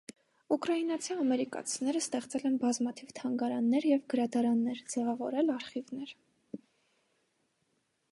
Ուկրաինացի ամերիկացիները ստեղծել են բազմաթիվ թանգարաններ և գրադարաններ, ձևավորել արխիվներ։